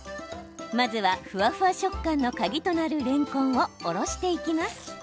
まずはふわふわ食感の鍵となるれんこんをおろしていきます。